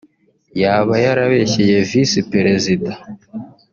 yaba yarabeshyeye Visi Perezida